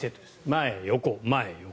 前、横、前、横。